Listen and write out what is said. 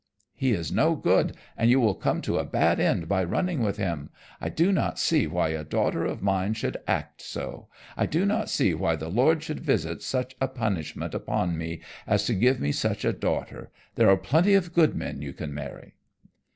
"He is no good, and you will come to a bad end by running with him! I do not see why a daughter of mine should act so. I do not see why the Lord should visit such a punishment upon me as to give me such a daughter. There are plenty of good men you can marry."